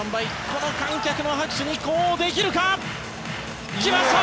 この観客の拍手に呼応できるか。来ました！